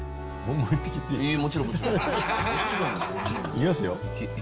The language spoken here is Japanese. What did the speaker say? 行きますよ。